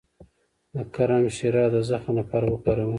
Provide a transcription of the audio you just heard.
د کرم شیره د زخم لپاره وکاروئ